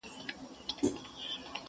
مطرب رباب د سُر او تال خوږې نغمې لټوم،